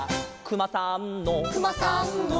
「くまさんの」